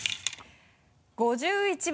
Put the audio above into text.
５１番。